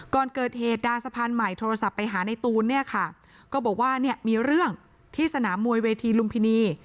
ก่อนเกิดเหตุดาสะพานใหม่โทรศัพท์ไปหาในตูนเนี่ยค่ะก็บอกว่าเนี่ยมีเรื่องที่สนามมวยเวทีลุมพินี